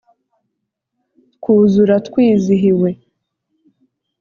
twuzura twizihiwe